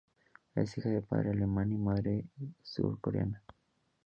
Es hija de padre alemán y madre surcoreana.